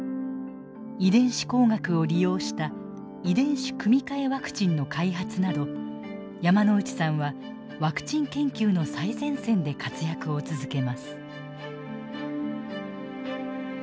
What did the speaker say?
遺伝子工学を利用した遺伝子組み換えワクチンの開発など山内さんはワクチン研究の最前線で活躍を続けます。